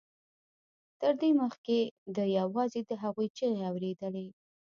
تر دې مخکې ده یوازې د هغوی چیغې اورېدلې